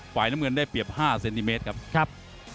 ฝ่ายน้ำเงินได้เปรียบ๕เซนติเมตรครับ